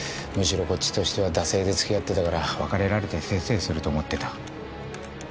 むしろこっちとしては惰性で付き合ってたから別れられてせいせいすると思ってた。